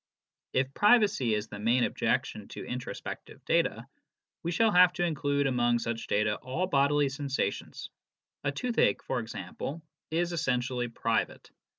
If privacy is the main objection to introspective data, we shall have to include among such data all bodily sensations. A tooth ache, for example, is essentially private.